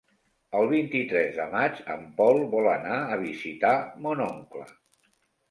El vint-i-tres de maig en Pol vol anar a visitar mon oncle.